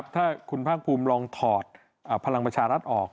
ถ้าคุณภาคภูมิลองถอดพลังประชารัฐออก